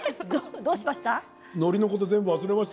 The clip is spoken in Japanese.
どうしました？